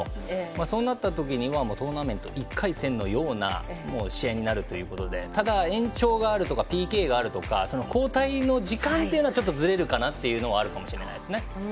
そうなった時にはトーナメントも１回戦のような試合になるということでただ、延長があるとかＰＫがあるとか交代の時間がずれるっていうのはあるかもしれないですね。